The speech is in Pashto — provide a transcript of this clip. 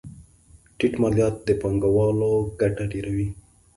ټیټ مالیات د پانګوالو ګټه ډېروي.